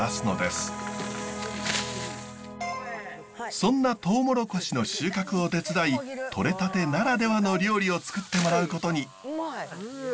そんなトウモロコシの収穫を手伝いとれたてならではの料理をつくってもらうことに。